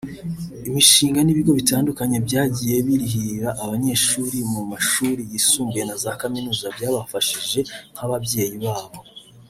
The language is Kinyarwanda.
imishinga n’ibigo bitandukanye byagiye birihirira abanyeshuri mu mashuri yisumbuye na za kaminuza byabafashije nk’ababyeyi babo